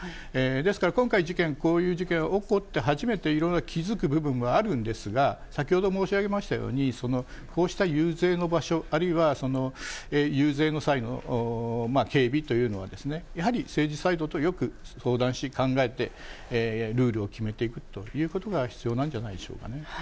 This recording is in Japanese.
ですから、今回、事件、こういう事件が起こって、初めていろいろ気付く部分もあるんですが、先ほど申し上げましたように、こうした遊説の場所、あるいは遊説の際の警備というのは、やはり政治サイドとよく相談し、考えて、ルールを決めていくということが必要なんじゃないでしょうかね。